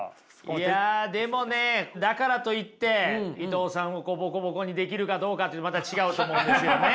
いやでもねだからといって伊藤さんをボコボコにできるかどうかってまた違うと思うんですよね。